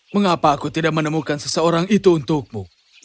mengapa aku tidak menemukan seseorang itu untukmu